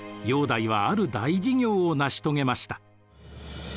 煬帝はある大事業を成し遂げました。